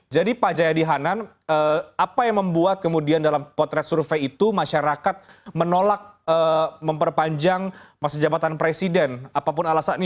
jadi pak jayadi hanan apa yang membuat kemudian dalam potret survei itu masyarakat menolak memperpanjang masjid jabatan presiden apapun alasannya